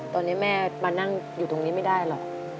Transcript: ตอนนี้แม่มานั่งอยู่ตรงนี้ไม่ได้หรอก